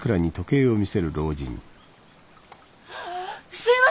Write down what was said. すいません！